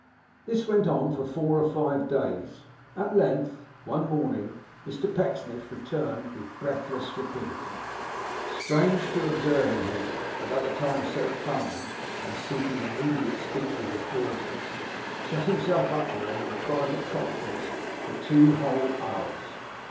This went on for four or five days. At length, one morning, Mr Pecksniff returned with a breathless rapidity, strange to observe in him, at other times so calm; and, seeking immediate speech with his daughters, shut himself up with them in private conference for two whole hours.